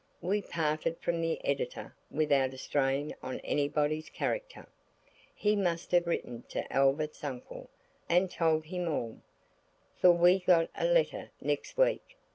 We parted from that Editor without a strain on anybody's character. He must have written to Albert's uncle, and told him all, for we got a letter next week.